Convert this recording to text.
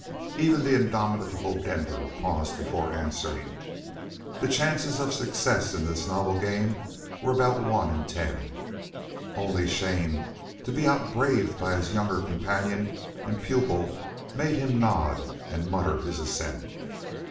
Even the indomitable Denver paused before answering. The chances of success in this novel game were about one in ten. Only shame to be outbraved by his younger companion and pupil made him nod and mutter his assent.